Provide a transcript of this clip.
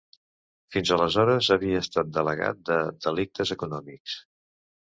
Fins aleshores havia estat delegat de delictes econòmics.